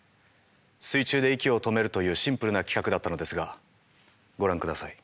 水中で息を止めるというシンプルな企画だったのですがご覧ください。